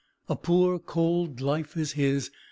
A poor cold life is his!